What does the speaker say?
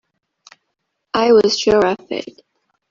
I was sure of it.